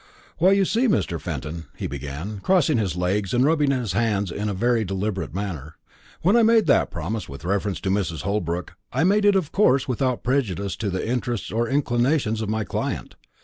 "Why, you see, Mr. Fenton," he began, crossing his legs, and rubbing his hands in a very deliberate manner, "when I made that promise with reference to Mrs. Holbrook, I made it of course without prejudice to the interests or inclinations of my client.